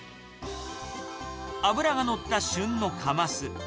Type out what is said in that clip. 脂が乗った旬のカマス。